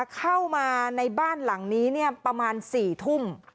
เข้ามาในบ้านหลังนี้ประมาณ๔ทุ่ม